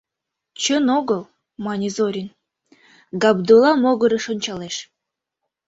— Чын огыл, — мане Зорин, Габдулла могырыш ончалеш.